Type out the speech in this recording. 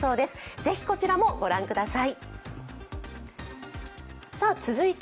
ぜひこちらも御覧ください。